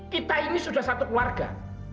kita ini sudah satu keluarga